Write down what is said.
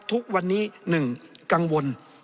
ทุกวันนี้หนึ่งกังวล